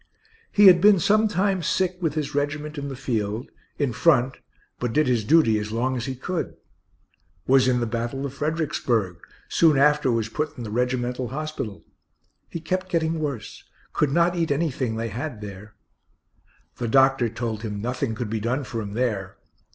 He had been some time sick with his regiment in the field, in front, but did his duty as long as he could; was in the battle of Fredericksburg; soon after was put in the regimental hospital. He kept getting worse could not eat anything they had there; the doctor told him nothing could be done for him there.